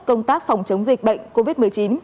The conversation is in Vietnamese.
công tác phòng chống dịch bệnh covid một mươi chín